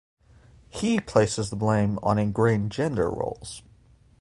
He places blame on ingrained gender roles.